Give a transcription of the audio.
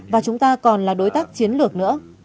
và chúng ta còn là đối tác chiến lược nữa